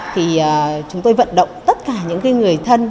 thì chúng tôi vận động tất cả những người thân